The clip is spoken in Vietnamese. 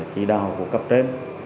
chí đạo của cấp trế